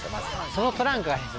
そのトランクがです